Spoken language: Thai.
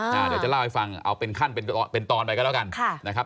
เดี๋ยวจะเล่าให้ฟังเอาเป็นขั้นเป็นตอนไปก็แล้วกันนะครับ